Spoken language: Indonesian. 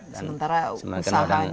sementara usahanya umat umatnya juga kelam